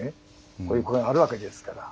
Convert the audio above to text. こういう声があるわけですから。